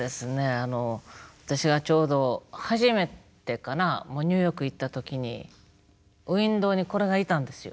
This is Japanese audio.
あの私がちょうど初めてかなニューヨーク行った時にウインドーにこれがいたんですよ。